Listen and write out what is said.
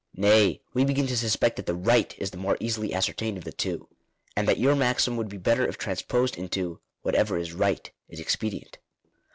Nay, we begin to suspect that the right is the more easily ascertained of the two ; and that your maxim would be better if transposed into — whatever is right is expedient."